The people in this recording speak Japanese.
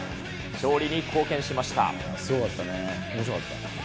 勝利に貢献しました。